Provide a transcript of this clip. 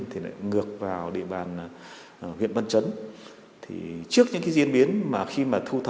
hẹn gặp lại các bạn trong những video tiếp theo